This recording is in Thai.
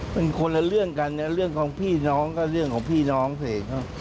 มันคนละเรื่องกันนะเรื่องของพี่น้องก็เรื่องของพี่น้องสิ